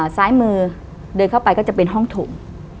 ซ้ายมือเดินเข้าไปก็จะเป็นห้องถุง